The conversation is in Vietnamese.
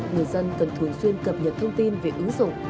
người dân cần thường xuyên cập nhật thông tin về ứng dụng